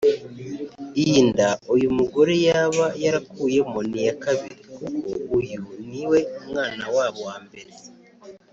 Iyo nda uyu mugore yaba yarakuyemo ni iya kabiri kuko uyu ni we mwana wabo wa mbere